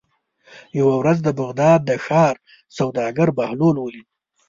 یوه ورځ د بغداد د ښار سوداګر بهلول ولید.